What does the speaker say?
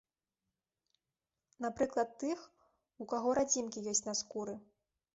Напрыклад, тых, у каго радзімкі ёсць на скуры.